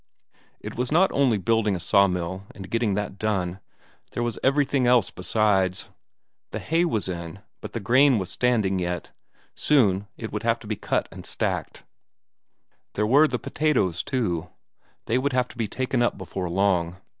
It was not only building a sawmill and getting that done there was everything else besides. The hay was in, but the corn was standing yet, soon it would have to be cut and stacked: there were the potatoes too, they would have to be taken up before long.